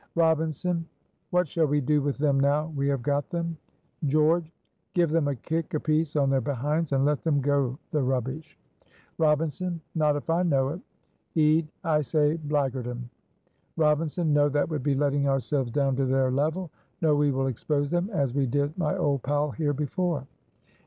Robinson. "What shall we do with them now we have got them?" George. "Give them a kick apiece on their behinds, and let them go the rubbish." Robinson. "Not if I know it." Ede. "I say blackguard 'em." Robinson. "No, that would be letting ourselves down to their level. No, we will expose them as we did my old pal here before."